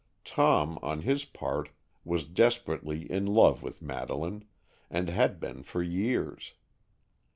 Tom, on his part, was desperately in love with Madeleine, and had been for years.